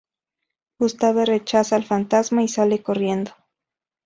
Gustave rechaza al Fantasma y sale corriendo.